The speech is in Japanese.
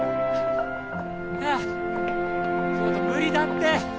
はぁちょっと無理だって！